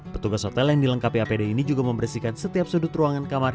petugas hotel yang dilengkapi apd ini juga membersihkan setiap sudut ruangan kamar